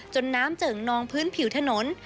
น้ำเจิ่งนองพื้นผิวถนน